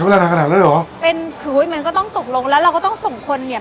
นานขนาดนั้นเหรอเป็นคืออุ้ยมันก็ต้องตกลงแล้วเราก็ต้องส่งคนเนี่ย